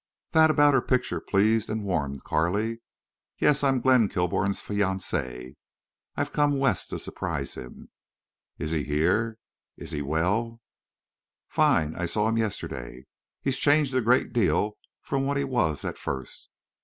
That about her picture pleased and warmed Carley. "Yes, I'm Glenn Kilbourne's fiancée. I've come West to surprise him. Is he here.... Is—is he well?" "Fine. I saw him yesterday. He's changed a great deal from what he was at first.